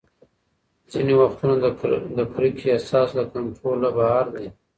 ځینې وختونه د کرکې احساس له کنټروله بهر دی.